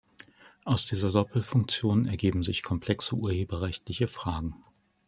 Aus dieser Doppelfunktion ergeben sich komplexe urheberrechtliche Fragen.